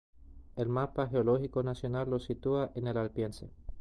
El Mapa Geológico Nacional lo sitúa en el Albiense.